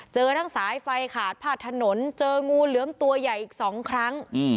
เจอทั้งสายไฟขาดพาดถนนเจองูเหลือมตัวใหญ่อีก๒ครั้ง